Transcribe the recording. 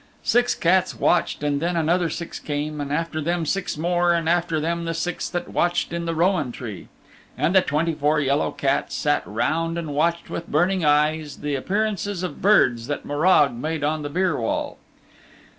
Six cats watched, and then another six came, and after them six more, and after them the six that watched in the Rowan Tree. And the twenty four yellow cats sat round and watched with burning eyes the appearances of birds that Morag made on the byre wall.